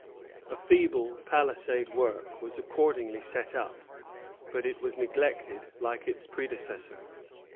A feeble palisade work was accordingly set up, but it was neglected like its predecessor.